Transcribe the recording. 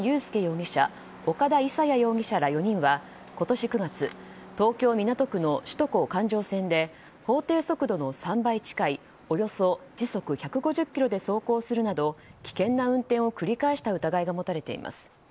岡田勇也容疑者ら４人は今年９月東京・港区の首都高環状線で法定速度の３倍近いおよそ時速１５０キロで走行するなど危険な運転を繰り返した疑いが持たれています。